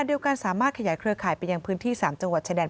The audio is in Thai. เดียวกันสามารถขยายเครือข่ายไปยังพื้นที่๓จังหวัดชายแดน